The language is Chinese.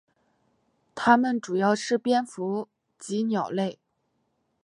它们主要吃蝙蝠及鸟类。